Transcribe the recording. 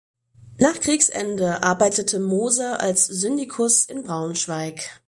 Nach Kriegsende arbeitete Moser als Syndikus in Braunschweig.